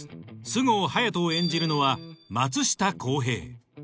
菅生隼人を演じるのは松下洸平